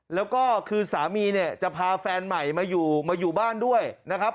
แล้วก็คือสามีเนี่ยจะพาแฟนใหม่มาอยู่มาอยู่บ้านด้วยนะครับ